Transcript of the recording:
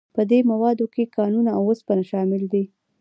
په دې موادو کې کانونه او اوسپنه شامل دي.